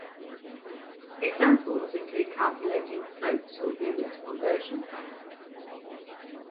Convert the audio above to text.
Examples include calculating slopes or unit conversion factors.